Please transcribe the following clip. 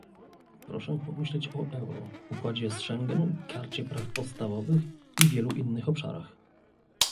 Proszę pomyśleć o euro, układzie z Schengen, Karcie Praw Podstawowych i wielu innych obszarach